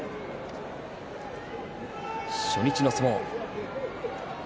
初日の相撲。